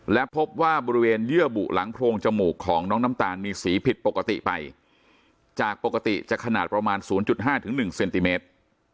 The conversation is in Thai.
และพบว่าบริเวณเยื่อบุหลังโพรงจมูกของน้องน้ำตาลมีสีผิดปกติไปจากปกติจะขนาดประมาณ๐๕๑เซนติเมตร